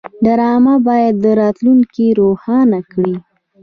ډرامه باید راتلونکی روښانه کړي